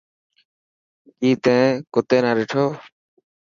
ڪي تين ڪتي نا ڏٺو.